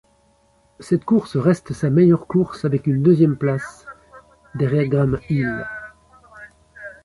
Cette course reste sa meilleure course avec une deuxième place derrière Graham Hill.